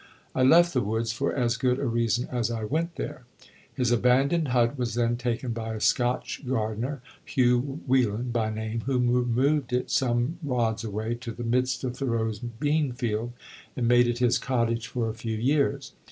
"I left the woods for as good a reason as I went there." His abandoned hut was then taken by a Scotch gardener, Hugh Whelan by name, who removed it some rods away, to the midst of Thoreau's bean field, and made it his cottage for a few years.